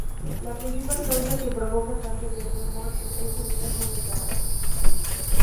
La principal causa que provoca cáncer de pulmón es el humo del tabaco.